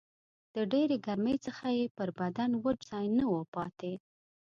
د ډېرې ګرمۍ څخه یې پر بدن وچ ځای نه و پاته